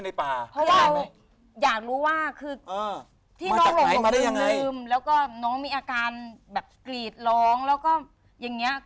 แล้วก็น้องมีอาการแบบกรีดร้องแล้วก็อย่างเงี้ย